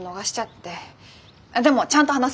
でもちゃんと話す。